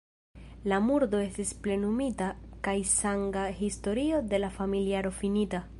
La murdo estis plenumita kaj sanga historio de la familiaro finita.